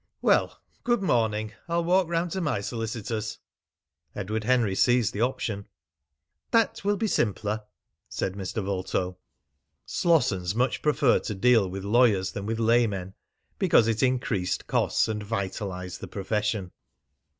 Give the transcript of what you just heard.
"Well, good morning. I'll walk round to my solicitors." Edward Henry seized the option. "That will be simpler," said Mr. Vulto. Slossons much preferred to deal with lawyers than with laymen, because it increased costs and vitalised the profession.